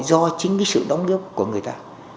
do chính sự đóng nước của người ta